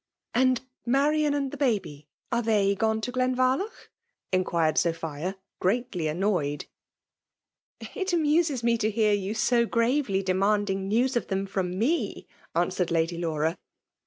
*'" And Marian and the baby ?— ^Are they gone to Glenvarloch?'* inquired Sophia, greatly annoyed. '*' It amuses me to hear you so gravely demanding news of them from me^^ answered Lady Laura.